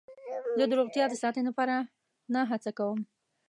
زه د روغتیا د ساتنې لپاره نه هڅه کوم.